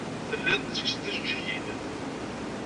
Telliḍ tettekkseḍ-d tijejjigin.